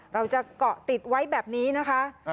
เราจะเกาะติดไว้แบบนี้นะคะ